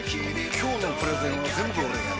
今日のプレゼンは全部俺がやる！